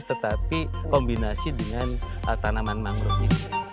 tetapi kombinasi dengan tanaman mangrove ini